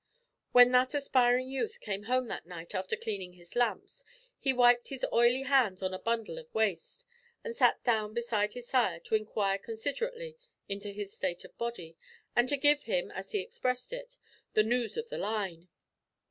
When that aspiring youth came home that night after cleaning his lamps, he wiped his oily hands on a bundle of waste, and sat down beside his sire to inquire considerately into his state of body, and to give him, as he expressed it, the noos of the line.